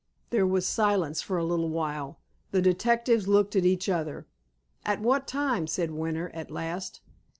There was silence for a little while. The detectives looked at each other. "At what time?" said Winter, at last.